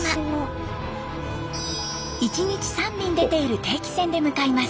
１日３便出ている定期船で向かいます。